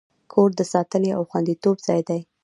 کور د ساتنې او خوندیتوب ځای دی.